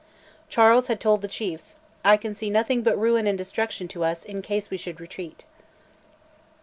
Charles had told the chiefs, "I can see nothing but ruin and destruction to us in case we should retreat."